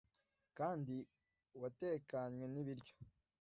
kandi watekanywe n’ibiryo